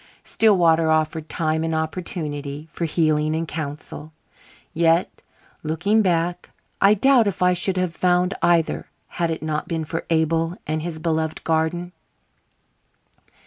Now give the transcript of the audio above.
Stillwater offered time and opportunity for healing and counsel. Yet, looking back, I doubt if I should have found either had it not been for Abel and his beloved garden.